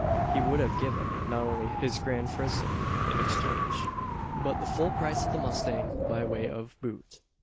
He would have given, not only his "grand frison" in exchange, but the full price of the mustang by way of "boot."